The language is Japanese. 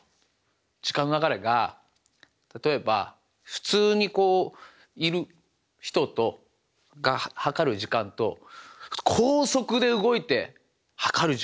時間の流れが例えば普通にこういる人が計る時間と高速で動いて計る時間が違うんです。